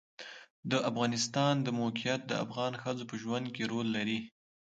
د افغانستان د موقعیت د افغان ښځو په ژوند کې رول لري.